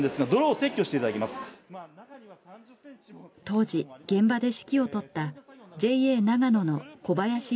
当時現場で指揮を執ったＪＡながのの小林芳則さん。